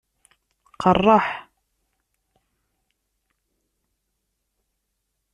Qeṛṛeḥ.